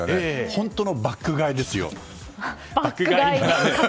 本当のバック買いですよ。